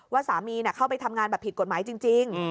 ว่าสามีเข้าไปทำงานแบบผิดกฎหมายจริง